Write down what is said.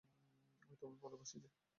আমি তোমায় ভালোবাসি যে।